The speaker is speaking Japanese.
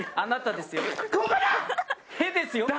屁ですよ。